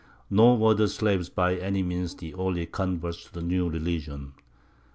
Nor were the slaves by any means the only converts to the new religion.